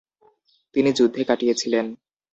তিনি যুদ্ধে কাটিয়েছিলেন।